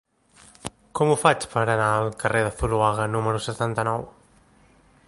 Com ho faig per anar al carrer de Zuloaga número setanta-nou?